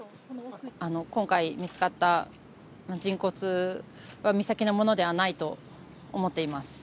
今回、見つかった人骨は、美咲のものではないと思っています。